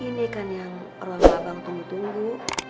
ini kan yang orang orang abang tunggu tunggu